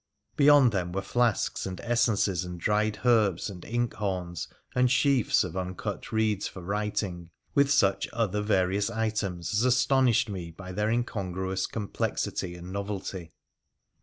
Beyond them were flasks and essences, and dried herbs, and ink horns, and sheafs of uncut reeds for writing, with such other various items as astonished me by their incongruous complexity and novelty.